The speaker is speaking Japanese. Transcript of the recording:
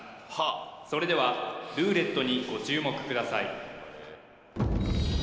それではルーレットにご注目ください